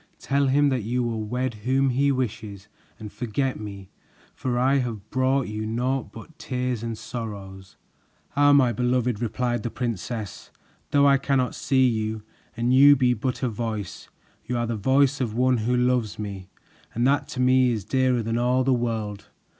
Tell him that you will wed whom he wishes and forget me, for I have brought you naught but tears and sorrows." "Ah, my beloved," replied the princess, "though I cannot see you and you be but a voice, you are the voice of one who loves me, and that to me is dearer than all the world.